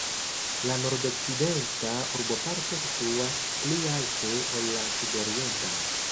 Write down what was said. La nordokcidenta urboparto situas pli alte ol la sudorienta.